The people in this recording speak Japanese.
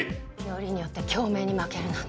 よりによって京明に負けるなんて。